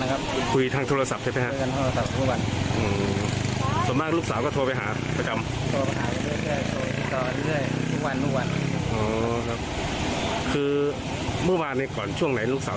คุณพ่อมีความหวังไหมฮะ